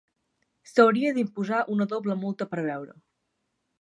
S'hauria d'imposar una doble multa per beure.